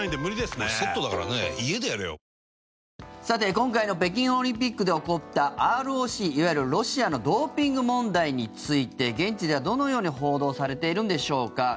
さて今回の北京オリンピックで起こったＲＯＣ、いわゆるロシアのドーピング問題について現地ではどのように報道されているんでしょうか。